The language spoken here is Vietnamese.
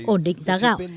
ổn định giá gạo